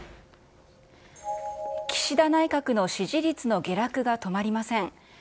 岸田内閣の支持率の下落が止まりません。